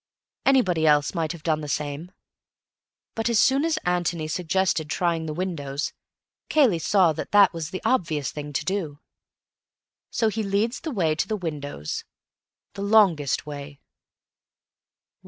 Anybody else might have done the same. But, as soon as Antony suggested trying the windows, Cayley saw that that was the obvious thing to do. So he leads the way to the windows—the longest way.